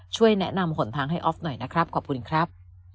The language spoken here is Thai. ช่วยแนะนำหนทางให้ออฟหน่อยนะครับขอบคุณครับ